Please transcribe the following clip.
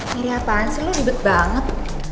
miri apaan sih lo ribet banget